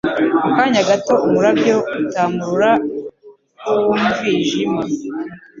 Mu kanya gato umurabyo utamurura wnwijima,